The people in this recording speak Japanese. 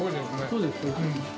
そうですよね。